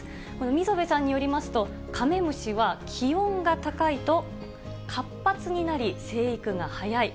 溝部さんによりますと、カメムシは気温が高いと活発になり、成育が早い。